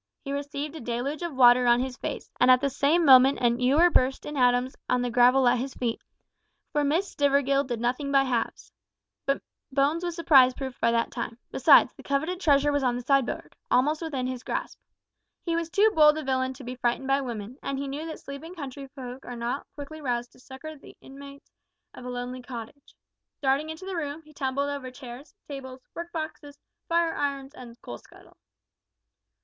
He received a deluge of water on his face, and at the same moment a ewer burst in atoms on the gravel at his feet for Miss Stivergill did nothing by halves. But Bones was surprise proof by that time; besides, the coveted treasure was on the sideboard almost within his grasp. He was too bold a villain to be frightened by women, and he knew that sleeping country folk are not quickly roused to succour the inmates of a lonely cottage. Darting into the room, he tumbled over chairs, tables, work boxes, fire irons, and coal scuttle.